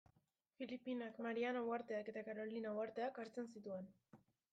Filipinak, Mariana Uharteak eta Karolina uharteak hartzen zituen.